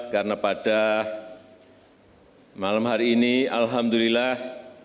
karena pada malam hari ini alhamdulillah